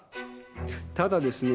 ただですね